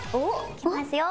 いきますよ？